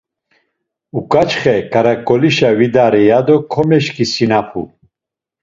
Uǩaçxe K̆araǩolişa vidare yado komeşǩisinapu.